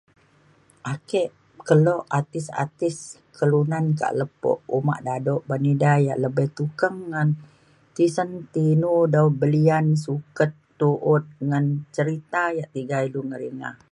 ake kelo artis artis kelunan ka lepo uma dado ban ida ia' lebih tukeng ngan tisen ti inu dau belian suket tu'ut ngan cerita ia' tiga ilu ngeringa